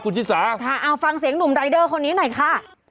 คุณชิสาค่ะเอาฟังเสียงหนุ่มรายเดอร์คนนี้หน่อยค่ะ